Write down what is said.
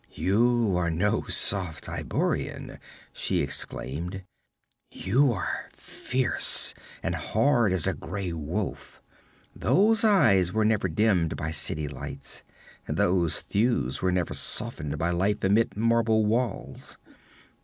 'You are no soft Hyborian!' she exclaimed. 'You are fierce and hard as a gray wolf. Those eyes were never dimmed by city lights; those thews were never softened by life amid marble walls.'